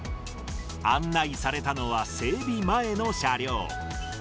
案内されたのは整備前の車両。